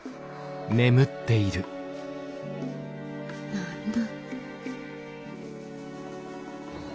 何だ。